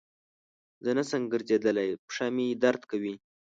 زه نسم ګرځیدلای پښه مي درد کوی.